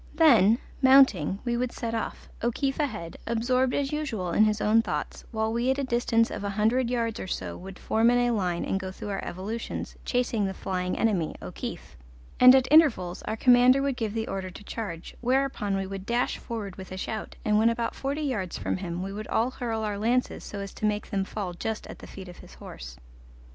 Then, mounting, we would set off, O'Keefe ahead, absorbed as usual in his own thoughts, while we at a distance of a hundred yards or so would form in line and go through our evolutions, chasing the flying enemy, O'Keefe; and at intervals our commander would give the order to charge, whereupon we would dash forward with a shout, and when about forty yards from him we would all hurl our lances so as to make them fall just at the feet of his horse.